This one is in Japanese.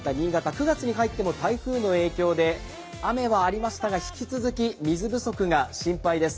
９月に入っても台風の影響で雨はありましたが引き続き水不足が心配です。